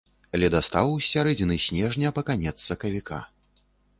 Ледастаў з сярэдзіны снежня па канец сакавіка.